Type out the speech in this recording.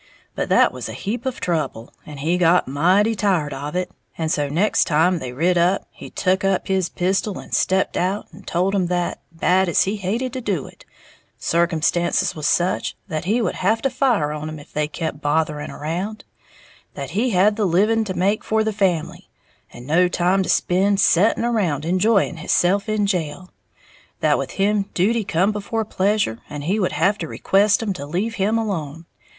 But that was a heap of trouble, and he got mighty tired of it, and so next time they rid up he tuck his pistol and stepped out and told 'em that, bad as he hated to do it, circumstances was such that he would have to fire on 'em if they kep' bothering around; that he had the living to make for the family, and no time to spend setting around enjoying hisself in jail, that with him duty come before pleasure, and he would have to request 'em to leave him alone.